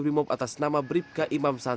bapak dengar berapa ketembakan